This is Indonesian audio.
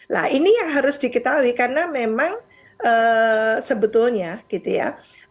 nah ini yang harus diketahui karena memang sebetulnya gitu ya